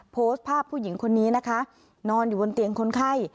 โพสต์ภาพผู้หญิงคนนี้นะคะนอนอยู่บนเตียงคนไข้